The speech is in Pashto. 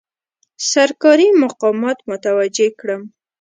سرکاري مقامات متوجه کړم.